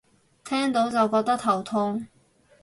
聽到就覺得頭痛